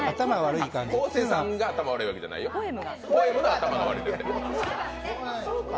昴生さんが頭悪いわけじゃないよ、ポエムが頭が悪い。